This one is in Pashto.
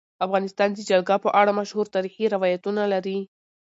افغانستان د جلګه په اړه مشهور تاریخی روایتونه لري.